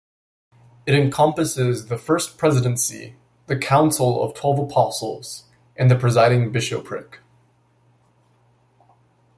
It encompasses the First Presidency, the Council of Twelve Apostles, and the Presiding Bishopric.